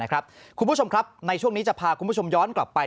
คุณผู้ชมครับในช่วงนี้จะพาคุณผู้ชมย้อนกลับไป